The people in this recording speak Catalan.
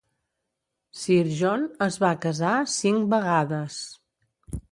Sir John es va casar cinc vegades.